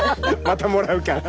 またもらうから。